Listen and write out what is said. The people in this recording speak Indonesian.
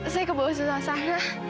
saya kebawa susah sahna